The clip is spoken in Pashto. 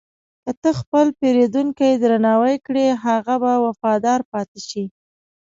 که ته خپل پیرودونکی درناوی کړې، هغه به وفادار پاتې شي.